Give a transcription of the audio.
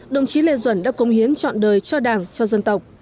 đồng chí lê duẩn đã công hiến chọn đời cho đảng cho dân tộc